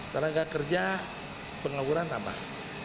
tenaga kerja pengaburan tambah